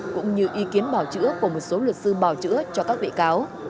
cũng như ý kiến bảo chữa của một số luật sư bảo chữa cho các bị cáo